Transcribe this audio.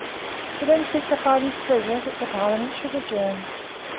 He then signified his pleasure that the Parliament should adjourn.